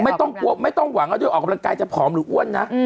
ไม่ต้องหวังว่าออกกำลังกายจะผอมหรืออ้วนนะ